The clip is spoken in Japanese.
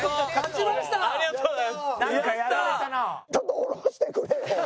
ちょっと下ろしてくれよ！